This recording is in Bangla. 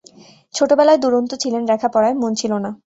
ছোট বেলায় দুরন্ত ছিলেন, লেখাপড়ায় মন ছিল না।